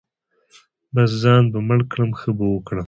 بـس ځان به مړ کړم ښه به وکړم.